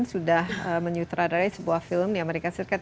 sudah menyutradarai sebuah film di amerika serikat